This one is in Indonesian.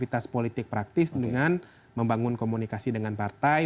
dan juga membuat politik praktis dengan membangun komunikasi dengan partai